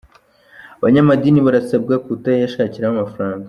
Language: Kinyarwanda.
Abanyamadini barasabwa kutayashakiramo amafaranga